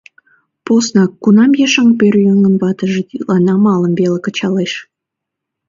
Поснак кунам ешан пӧръеҥын ватыже тидлан амалым веле кычалеш.